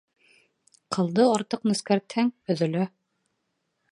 Ҡылды артыҡ нескәртһәң, өҙөлә.